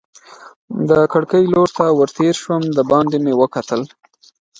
د کړکۍ لور ته ور تېر شوم، دباندې مې وکتل.